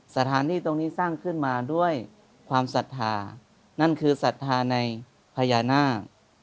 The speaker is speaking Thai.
สถานที่ตรงนี้สร้างขึ้นมาด้วยความศรัทธานั่นคือศรัทธาในพญานาค